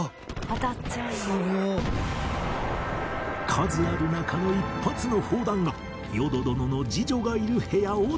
数ある中の一発の砲弾が淀殿の侍女がいる部屋を直撃